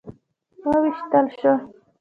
وویشتل شو.